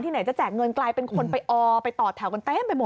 ไหนจะแจกเงินกลายเป็นคนไปออไปต่อแถวกันเต็มไปหมด